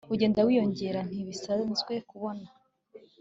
ugenda wiyongera ntibisanzwe kubona